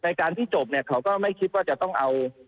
การที่จบเนี่ยเขาก็ไม่คิดว่าจะต้องเอา